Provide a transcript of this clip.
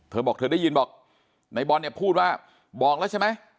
เธอบอกเธอได้ยินบอกในบอลเนี่ยพูดว่าบอกแล้วใช่ไหม